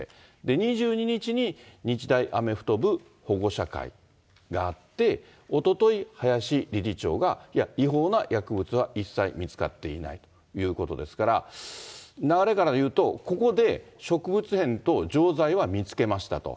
２２日に、日大アメフト部保護者会があって、おととい、林理事長が、いや、違法な薬物は一切見つかっていないということですから、流れから言うと、ここで植物片と錠剤は見つけましたと。